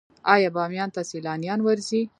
آیا بامیان ته سیلانیان ورځي؟